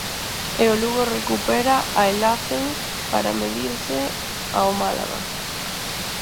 E o Lugo recupera a El Hacen para medirse ao Málaga.